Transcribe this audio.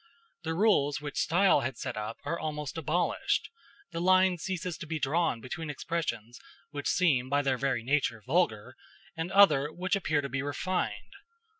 The rules which style had set up are almost abolished: the line ceases to be drawn between expressions which seem by their very nature vulgar, and other which appear to be refined.